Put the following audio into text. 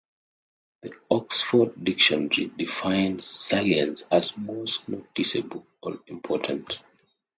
The Oxford English Dictionary defines salience as most noticeable or important.